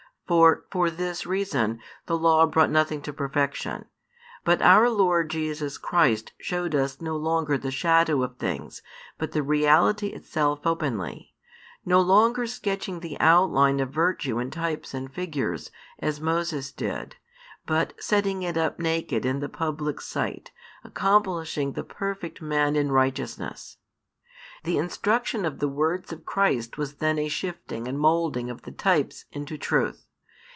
For, for this reason, the Law brought nothing to perfection; but our Lord Jesus Christ showed us no longer the shadows of things, but the reality itself openly, no longer sketching the outline of virtue in types and figures, as Moses did, but setting it up naked in the public sight, accomplishing the perfect man in righteousness. The instruction of the words of Christ was then a shifting and moulding of the types into truth.